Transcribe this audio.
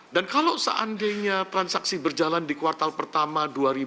dan kalau seandainya transaksi berjalan di kuartal pertama dua ribu delapan belas